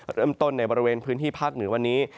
เริ่มต้นในบริเวณพื้นที่ภาคเหนือวันนี้